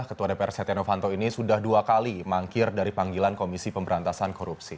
ketua dpr setia novanto ini sudah dua kali mangkir dari panggilan komisi pemberantasan korupsi